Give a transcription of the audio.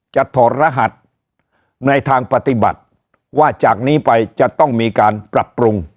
ถอดรหัสในทางปฏิบัติว่าจากนี้ไปจะต้องมีการปรับปรุง